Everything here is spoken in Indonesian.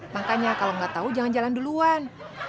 makanya kalau gak tau jangan jalan duluan